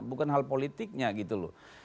bukan hal politiknya gitu loh